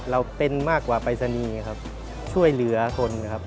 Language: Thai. เราเป็นมากกว่าปรายศนีย์ครับช่วยเหลือคนครับ